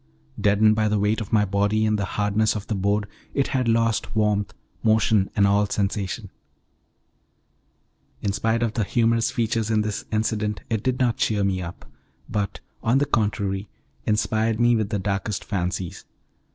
Deadened by the weight of my body and the hardness of the boards, it had lost warmth, motion, and all sensation. In spite of the humorous features in this incident, it did not cheer me up, but, on the contrary, inspired me with the darkest fancies.